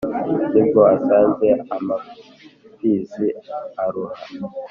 ni bwo asanze amapfizi aroha